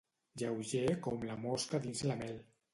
Lleuger com la mosca dins la mel.